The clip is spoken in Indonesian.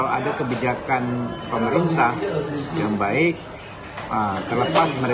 kita tidak dikenal yang namanya oposisi